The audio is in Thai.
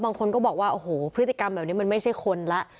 บางคนก็บอกว่าโอ้โหพฤติกรรมแบบนี้มันไม่ใช่คนแล้ว